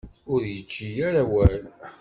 Ur yečči ara awal.